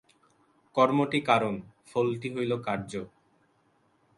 কর্মটি কারণ, ফলটি হইল কার্য।